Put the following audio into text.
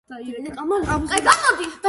ამიტომ, სულ გამოვიდა: ერთი, ორი, სამი და ოთხი.